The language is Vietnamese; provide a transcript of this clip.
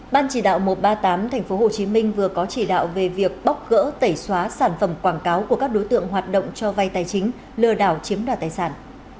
ban chỉ đạo một trăm ba mươi tám tp hcm vừa có chỉ đạo về việc bóc gỡ tẩy xóa sản phẩm quảng cáo của các đối tượng hoạt động cho vay tài chính lừa đảo chiếm đoạt tài sản